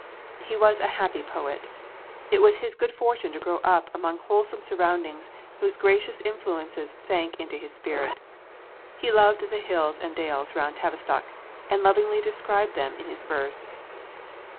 He was a happy poet. It was his good fortune to grow up among wholesome surroundings whose gracious influences sank into his spirit. He loved the hills and dales round Tavistock, and lovingly described them in his verse.